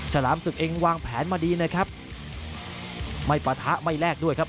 ฉลามศึกเองวางแผนมาดีนะครับไม่ปะทะไม่แลกด้วยครับ